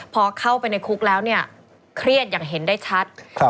พอเข้าไปในคุกแล้วเนี่ยเครียดอย่างเห็นได้ชัด